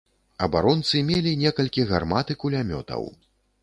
Абаронцы мелі некалькі гармат і кулямётаў.